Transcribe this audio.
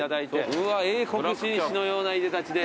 うわっ英国紳士のようないでたちで。